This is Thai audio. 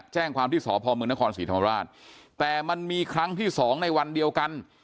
แจ้งความที่สพมนครศรีธรรมราชแต่มันมีครั้งที่สองในวันเดียวกัน